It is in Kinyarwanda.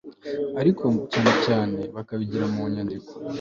ariko cyane cyane bakabigira mu nyandiko